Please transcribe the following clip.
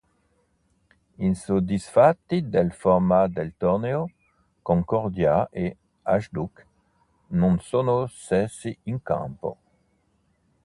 Insoddisfatti del format del torneo, Concordia e Hajduk non sono scesi in campo.